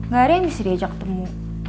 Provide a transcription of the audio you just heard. gak ada yang bisa diajak temu